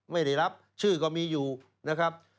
ไม่ได้รับชื่อก็มีอยู่นะครับ